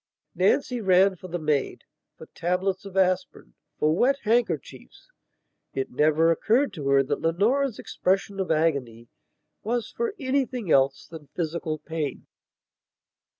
Nancy ran for the maid; for tablets of aspirin; for wet handkerchiefs. It never occurred to her that Leonora's expression of agony was for anything else than physical pain.